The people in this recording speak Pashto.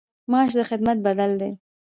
معاش د خدمت بدل دی